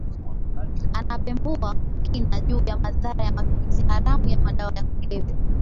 anapembua kwa kina juu ya madhara ya matumizi haramu ya madawa ya kulevya